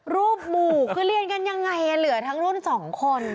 รูปหมู่คือเรียนกันยังไงเหลือทั้งรุ่น๒คน